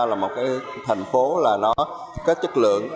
là một cái thành phố là nó có chất lượng